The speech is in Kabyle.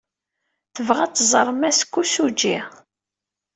Tebɣa ad tẓer Mass Kosugi.